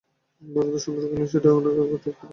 বরদাসুন্দরী কহিলেন, সেটা আগে ঠিক করো।